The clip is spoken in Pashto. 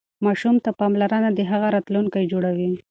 ماشوم ته پاملرنه د هغه راتلونکی جوړوي.